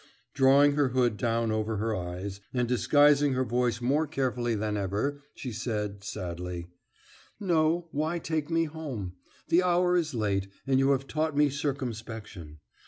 Drawing her hood down over her eyes, and disguising her voice more carefully than ever, she said sadly: "No, why take me home? The hour is late, and you have taught me circumspection.